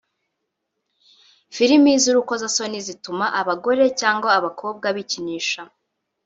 Filimi z’urukozasoni zituma abagore/abakobwa bikinisha